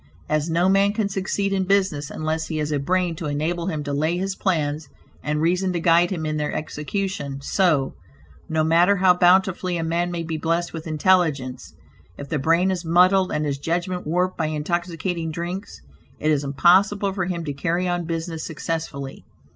As no man can succeed in business unless he has a brain to enable him to lay his plans, and reason to guide him in their execution, so, no matter how bountifully a man may be blessed with intelligence, if the brain is muddled, and his judgment warped by intoxicating drinks, it is impossible for him to carry on business successfully.